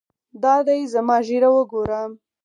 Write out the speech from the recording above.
دا دى زما ږيره وګوره.